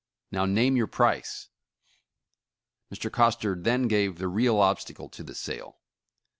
Now name your price. '' Mr. Coster then gave the real obstacle to the sale.